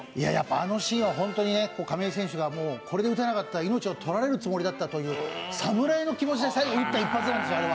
あのシーンは本当に亀井選手がこれで打たなかったら命をとられるつもりだったという侍の気持ちで最後、打った一発なんですよ。